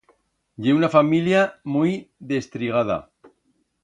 Ye una familia muit destrigada.